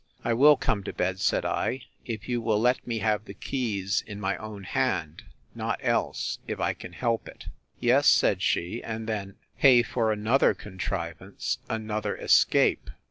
I will come to bed, said I, if you will let me have the keys in my own hand; not else, if I can help it. Yes, said she, and then, hey for another contrivance, another escape!